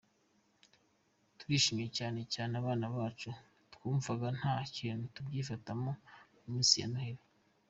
Turishimye cyane cyane abana bacu, twumvaga nta kuntu twabyifatamo mu minsi ya Noheli.